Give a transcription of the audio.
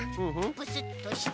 ブスッとして。